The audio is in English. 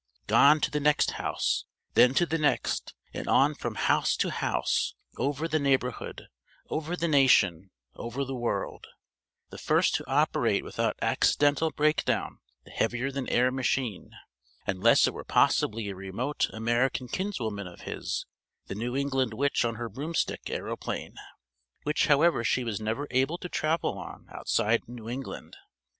Gone to the next house, then to the next, and on from house to house over the neighborhood, over the nation, over the world: the first to operate without accidental breakdown the heavier than air machine, unless it were possibly a remote American kinswoman of his, the New England witch on her broomstick aeroplane: which however she was never able to travel on outside New England.